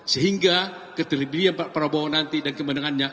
sehingga keterlibatan pak prabowo nanti dan kemenangannya